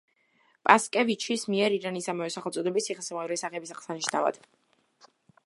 პასკევიჩის მიერ ირანის ამავე სახელწოდების ციხესიმაგრის აღების აღსანიშნავად.